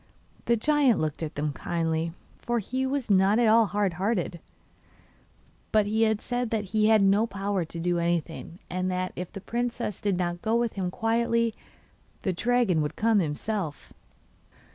The giant looked at them kindly, for he was not at all hard hearted, but said that he had no power to do anything, and that if the princess did not go with him quietly the dragon would come himself.